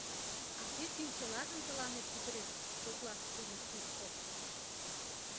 — А кӧ кӱнчылажым тыланет пӱтырен? — коклаш пурыш Узков.